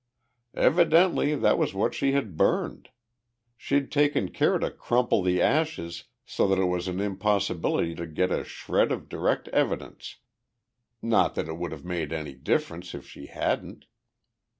"Evidently that was what she had burned. She'd taken care to crumple the ashes so that it was an impossibility to get a shred of direct evidence, not that it would have made any difference if she hadn't.